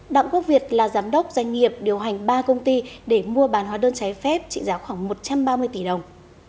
đặng quốc việt là giám đốc doanh nghiệp điều hành ba công ty để mua bán hóa đơn trái phép trị giá khoảng một trăm ba mươi tỷ đồng